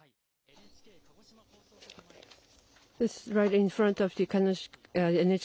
ＮＨＫ鹿児島放送局前です。